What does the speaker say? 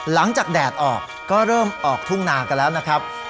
แดดออกก็เริ่มออกทุ่งนากันแล้วนะครับ